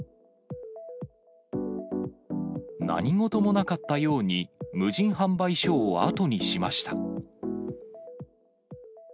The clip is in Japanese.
何事もなかったように無人販売所を後にしました。